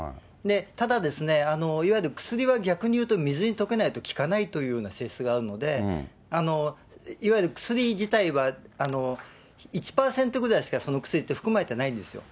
ただ、いわゆる薬は、逆に言うと、水に溶けないと効かないというような性質があるので、いわゆる薬自体は、１％ぐらいしかその薬って含まれてないんですよ。